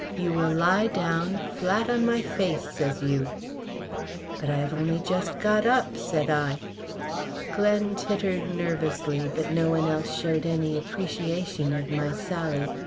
"You will down, 'flat on my face,' says you." "But I have only just got up," said I. Glen tittered nervously, but no one else showed any appreciation of my sally.